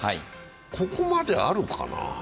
ここまであるかな？